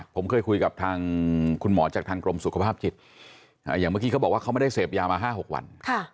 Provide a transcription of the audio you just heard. ผมเคยคุยกับทางคุณหมอจากทางกรมสุขภาพจิตอย่างเมื่อกี้เขาบอกว่าเขาไม่ได้เสพยามา๕๖วัน